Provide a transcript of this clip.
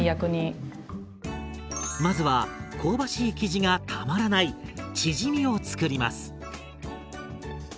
まずは香ばしい生地がたまらないチヂミを作ります！